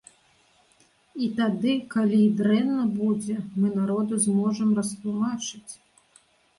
І тады, калі і дрэнна будзе, мы народу зможам растлумачыць.